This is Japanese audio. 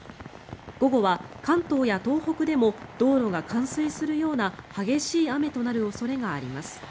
午後は関東や東北でも道路が冠水するような激しい雨となる恐れがあります。